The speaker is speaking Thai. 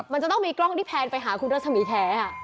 มันจะต้องมีกล้องที่แพนไปหาคุณรัศมีแท้